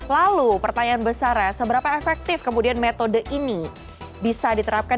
lalu pertanyaan besarnya seberapa efektif kemudian metode ini bisa diterapkan